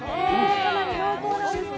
かなり濃厚なんですね。